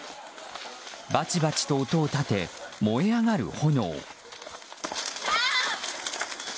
バチバチと音を立て燃え上がる炎。